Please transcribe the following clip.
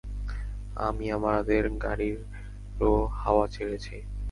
আমি আমাদের গাড়িরও হাওয়া ছেড়েছি।